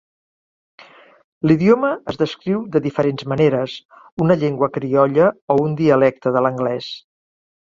L'idioma es descriu de diferents maneres, una llengua criolla o un dialecte de l'anglès.